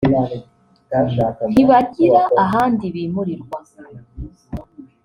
ntibagira ahandi bimurirwa